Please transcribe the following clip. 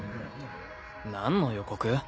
何の予告？